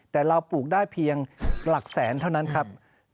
แต่เราปลูกได้เพียงหลักแสนเท่านั้นครับ